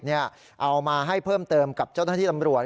เอามาให้เพิ่มเติมกับเจ้าหน้าที่ตำรวจ